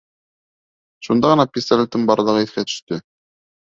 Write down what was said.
Шунда ғына пистолетым барлығы иҫкә төштө.